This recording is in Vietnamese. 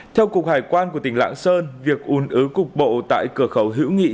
theo cục hải quan của tỉnh lãng sơn việc un ứ cục bộ tại cửa khẩu hữu nghị